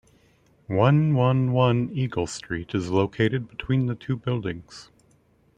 One One One Eagle Street is located between the two buildings.